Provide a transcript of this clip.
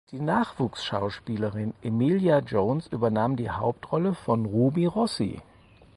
Die Nachwuchsschauspielerin Emilia Jones übernahm die Hauptrolle von Ruby Rossi.